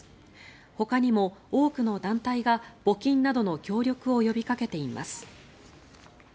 ほかにも多くの団体が募金などの協力を呼びかけています。